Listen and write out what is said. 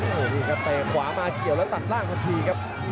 โอ้โหนี่ครับเตะขวามาเกี่ยวแล้วตัดล่างทันทีครับ